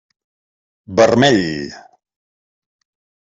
Vermell.